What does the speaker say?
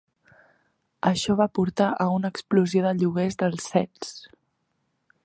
Això va portar a una explosió de lloguers dels sets.